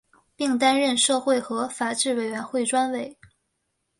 并担任社会和法制委员会专委。